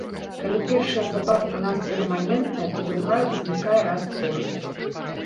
Калі першая забава ў нас перманентная, то другая ўзнікае раз-пораз.